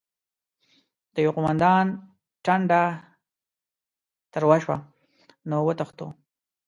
د يوه قوماندان ټنډه تروه شوه: نو وتښتو؟!